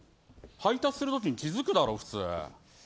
配達するときに気付くだろ、普通。